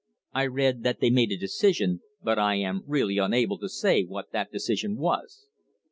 I read that they made a decision, but I am really unable to say what that decision was.